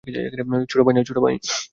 ছোট ভাই না?